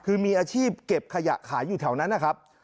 คือมีอาชีพเก็บขยะขายอยู่แถวนั้นนะครับ